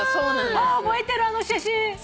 覚えてるあの写真！